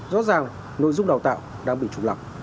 rõ ràng nội dung đào tạo đang bị trùng lập